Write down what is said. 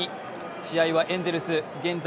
試合はエンゼルス現在